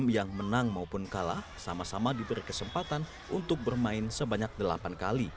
yang kala sama sama diberi kesempatan untuk bermain sebanyak delapan kali